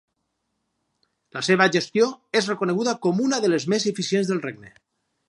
La seva gestió és reconeguda com una de les més eficients del regne.